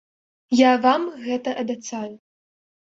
Я вам гэта абяцаю.